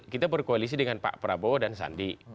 kita berkoalisi dengan pak prabowo dan sandi